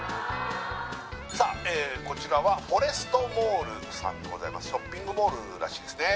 さあこちらはフォレストモールさんでございますショッピングモールらしいですね